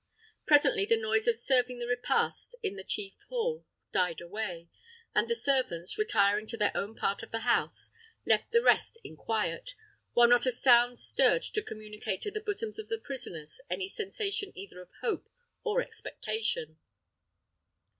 Presently the noise of serving the repast in the chief hall died away, and the servants, retiring to their own part of the house, left the rest in quiet, while not a sound stirred to communicate to the bosoms of the prisoners any sensation either of hope or expectation.